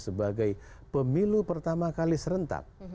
sebagai pemilu pertama kali serentak